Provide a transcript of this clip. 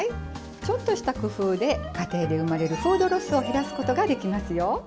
ちょっとした工夫で家庭で生まれるフードロスを減らすことができますよ。